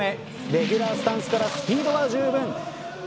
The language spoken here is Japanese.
レギュラースタンスからスピードはじゅうぶん。